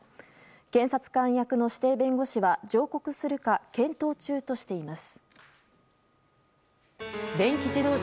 検察官役の指定弁護士は上告するか検討中としています。